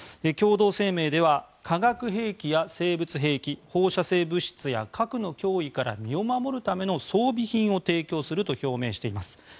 共同声明では化学兵器や生物兵器放射性物質や核の脅威から身を守るための装備品を提供すると表明しています。